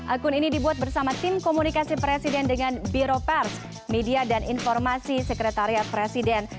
akun ini dibuat bersama tim komunikasi presiden dengan biro pers media dan informasi sekretariat presiden